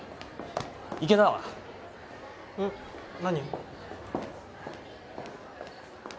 何？